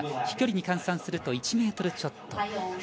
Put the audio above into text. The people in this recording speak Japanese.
飛距離に換算すると１ｍちょっと。